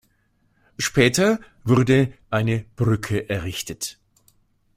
Später wurde eine Brücke errichtet.